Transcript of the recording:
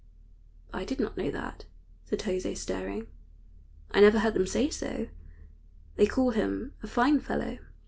"I did not know that," said José, staring. "I never heard them say so. They call him a fine fellow."